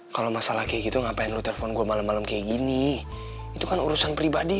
kalau masalah kayak gitu ngapain lu telepon gue malam malam kayak gini itu kan urusan pribadi